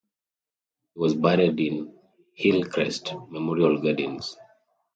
He was buried in Hillcrest Memorial Gardens.